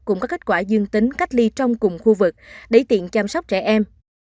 cùng các kết quả dương tính cách ly trong cùng khu vực để tiện chăm sóc trẻ em